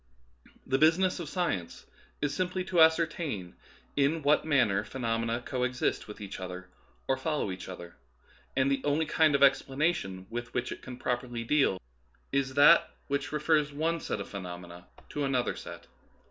The business of science is simply to ascertain in what manner phenomena co exist with each other or follow each other, and the only kind of explana tion with which it can properly deal is that which refers one set of phenomena to another set.